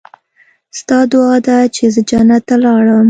ستا دعا ده چې زه جنت ته لاړم.